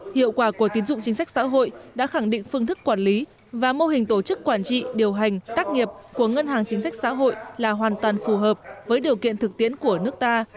hiệu quả của tín dụng chính sách xã hội đã khẳng định phương thức quản lý và mô hình tổ chức quản trị điều hành tác nghiệp của ngân hàng chính sách xã hội là hoàn toàn phù hợp với điều kiện thực tiễn của nước ta